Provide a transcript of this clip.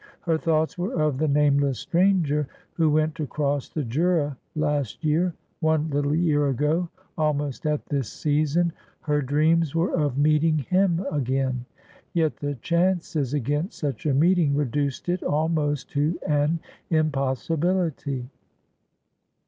Her thoughts were of the nameless stranger who went across the Jura last year — one little year ago — almost at this season. Her dreams were of meet ing him again. Yet the chances against such a meeting reduced it almost to an impossibility.